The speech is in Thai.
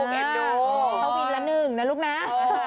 เท่าวิทย์ละหนึ่งนะลูกน้ำ